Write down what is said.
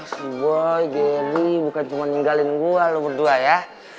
si boy geri bukan cuma ninggalin gua lu berdua ya